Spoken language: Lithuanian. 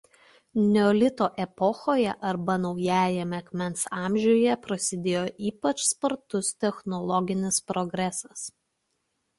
Neolito epochoje arba Naujajame akmens amžiuje prasidėjo ypač spartus technologinis progresas.